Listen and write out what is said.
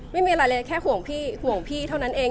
ไม่มีอะไรเลยแค่ห่วงพี่เท่านั้นเอง